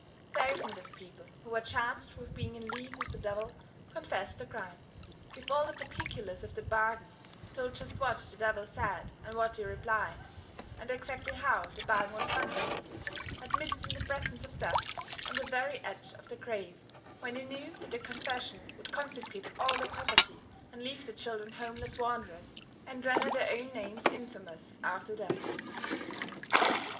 Thousands of people who were charged with being in league with the devil confessed the crime, gave all the particulars of the bargain, told just what the devil said and what they replied, and exactly how the bargain was consummated, admitted in the presence of death, on the very edge of the grave, when they knew that the confession would confiscate all their property and leave their children homeless wanderers, and render their own names infamous after death.